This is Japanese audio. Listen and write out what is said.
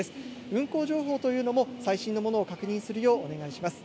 運行情報というのも最新のものを確認するようお願いします。